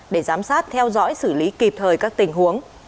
để giám sát theo dõi xử lý kịp thời các tình huống